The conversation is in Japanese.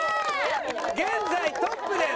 現在トップです！